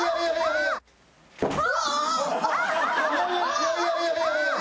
いやいやいやいや。